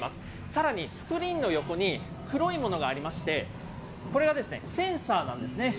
さらにスクリーンの横に黒いものがありまして、これがセンサーなんですね。